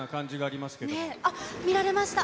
あっ、見られました。